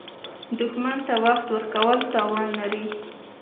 دښمن ته وخت ورکول تاوان لري